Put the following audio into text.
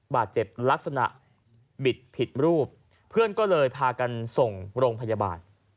บาดเจ็บลักษณะบิดผิดรูปเพื่อนก็เลยพากันส่งโรงพยาบาล